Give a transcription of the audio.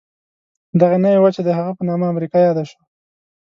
دغه نوې وچه د هغه په نامه امریکا یاده شوه.